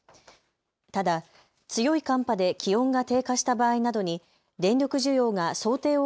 ただ強い寒波で気温が低下した場合などに電力需要が想定を